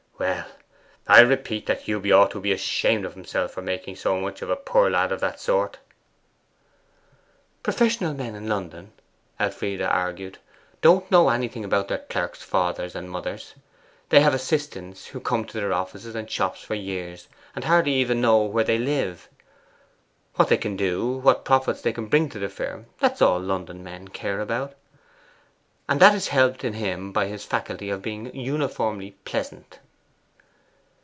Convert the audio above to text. Well, I repeat that Hewby ought to be ashamed of himself for making so much of a poor lad of that sort.' 'Professional men in London,' Elfride argued, 'don't know anything about their clerks' fathers and mothers. They have assistants who come to their offices and shops for years, and hardly even know where they live. What they can do what profits they can bring the firm that's all London men care about. And that is helped in him by his faculty of being uniformly pleasant.